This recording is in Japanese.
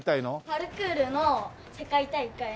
パルクールの世界大会の。